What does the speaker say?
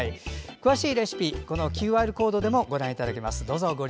詳しいレシピはＱＲコードでもご覧いただけます。